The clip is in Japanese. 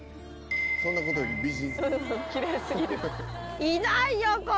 そんなことより美人！